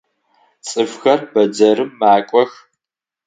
Цӏыфхэр бэдзэрым макӏох.